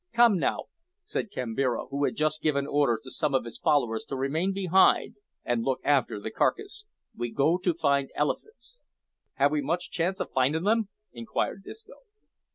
"Come, now," said Kambira, who had just given orders to some of his followers to remain behind and look after the carcase, "we go to find elephants." "Have we much chance of findin' them?" inquired Disco.